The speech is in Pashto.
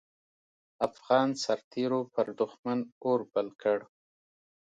افغان سررتېرو پر دوښمن اور بل کړ.